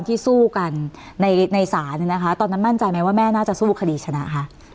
ที่สู้กันในศาลเนี่ยนะคะตอนนั้นมั่นใจไหมว่าแม่น่าจะสู้คดีชนะคะ